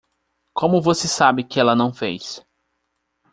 Como você sabe que ela não fez?